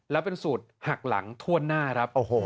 แล้วเป็นสูตรหักหลังทั่วหน้าครับ